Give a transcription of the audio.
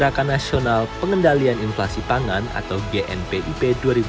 melalui gerakan nasional pengendalian inflasi pangan atau gnp ip dua ribu dua puluh dua